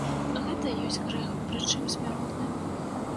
Гэта ёсць грэх, прычым смяротны.